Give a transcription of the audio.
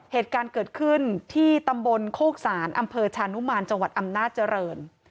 เหตุการณ์เกิดขึ้นที่ตำบลโคกศาลอำเภอชานุมานจังหวัดอำนาจเจริญ